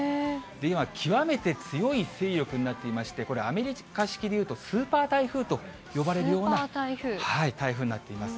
今、極めて強い勢力になっていまして、これ、アメリカ式でいうとスーパー台風と呼ばれるような台風になっています。